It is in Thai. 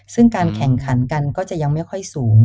ซึ่งการแข่งขันกันก็จะยังไม่ค่อยสูง